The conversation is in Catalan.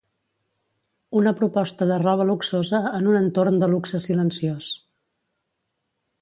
Una proposta de roba luxosa en un entorn de luxe silenciós.